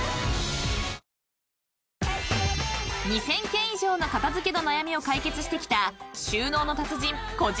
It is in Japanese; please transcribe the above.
［２，０００軒以上の片付けの悩みを解決してきた］